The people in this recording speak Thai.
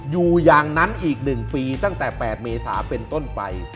อยู่อย่างนั้นอีก๑ปีตั้งแต่๘เมษาเป็นต้นไป